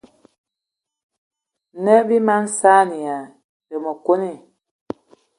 Ne bí mag saanì aa té ma kone.